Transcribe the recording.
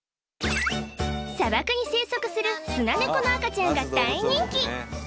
砂漠に生息するスナネコの赤ちゃんが大人気